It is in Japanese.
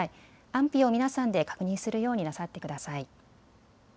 安否を皆さんで確認するようになさってください。